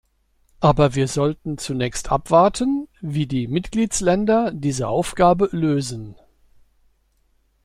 Aber wir sollten zunächst abwarten, wie die Mitgliedsländer diese Aufgabe lösen.